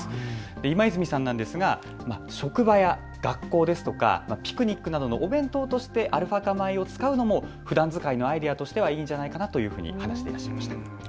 今泉さんですが、職場や学校ですとかピクニックなどのお弁当としてアルファ化米を使うのもふだん使いのアイデアとしてはいいんじゃないかと話していました。